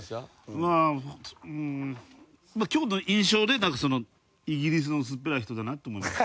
まあうん今日の印象でなんかそのイギリスの薄っぺらい人だなと思いました。